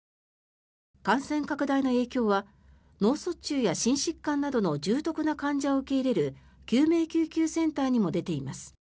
感染拡大の影響は脳卒中や心疾患などの重篤な患者を受け入れる救命救急センターにも出ています。